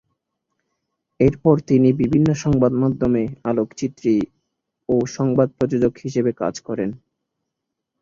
এরপর তিনি বিভিন্ন সংবাদ মাধ্যমে আলোকচিত্রী ও সংবাদ প্রযোজক হিসেবে কাজ করেন।